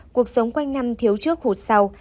cuộc sống quanh năm thiếu trước hụt sau